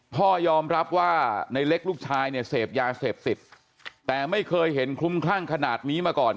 พ่อยอมรับว่าในเล็กลูกชายเนี่ยเสพยาเสพติดแต่ไม่เคยเห็นคลุมคลั่งขนาดนี้มาก่อน